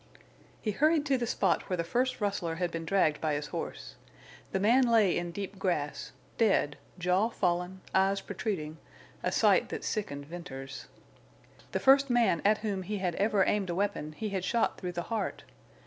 He hurried to the spot where the first rustler had been dragged by his horse. The man lay in deep grass, dead, jaw fallen, eyes protruding—a sight that sickened Venters. The first man at whom he had ever aimed a weapon he had shot through the heart.